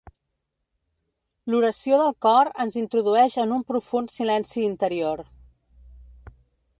L'oració del cor ens introdueix en un profund silenci interior.